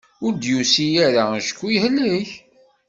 Ur d-yusi ara acku yehlek.